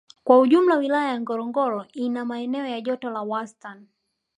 Kwa ujumla Wilaya ya Ngorongoro ina maeneo ya joto la washastani